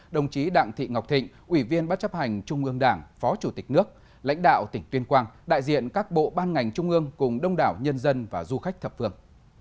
đồng chí đặng thị ngọc thịnh ủy viên bác chấp hành trung ương đảng phó chủ tịch nước lãnh đạo tỉnh tuyên quang đại diện các bộ ban ngành trung ương cùng đông đảo nhân dân và du khách thập phương